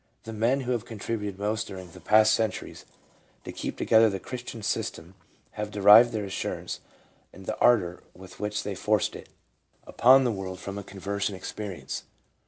The men who have contributed most during the last cen turies to keep together the Christian system have derived their assurance and the ardor with which they forced it upon PSYCHOLOGY OF RELIGIOUS PHENOMENA. 347 the world from a conversion experience.